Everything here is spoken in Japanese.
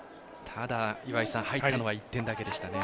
ただ、入ったのは１点だけでしたね。